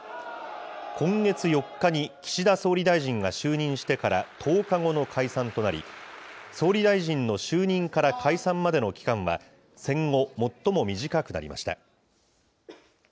今月４日に岸田総理大臣が就任してから１０日後の解散となり、総理大臣の就任から解散までの期間は戦後、最も短くなりました。